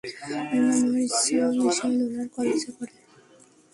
আমার ইচ্ছা মিশেল ওনার কলেজে পড়ে।